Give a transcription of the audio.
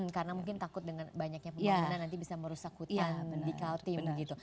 karena mungkin takut dengan banyaknya pembinaan nanti bisa merusak hutan di kaltim